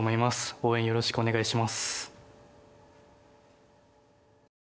応援よろしくお願いします。